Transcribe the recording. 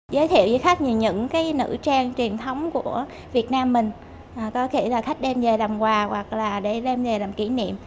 giới thiệu với khách những nữ trang truyền thống của việt nam mình có thể là khách đem về làm quà hoặc là để đem về làm kỷ niệm